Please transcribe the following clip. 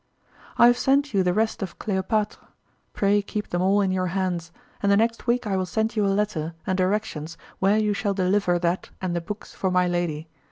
I have sent you the rest of Cléopâtre, pray keep them all in your hands, and the next week I will send you a letter and directions where you shall deliver that and the books for my lady.